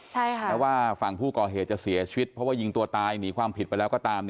แม้ว่าฝั่งผู้ก่อเหตุจะเสียชีวิตเพราะว่ายิงตัวตายหนีความผิดไปแล้วก็ตาม